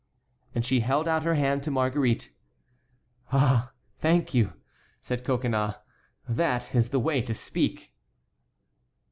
And she held out her hand to Marguerite. "Ah! thank you," said Coconnas; "that is the way to speak."